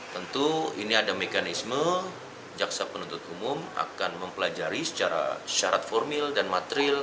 tentu ini ada mekanisme jaksa penuntut umum akan mempelajari secara syarat formil dan material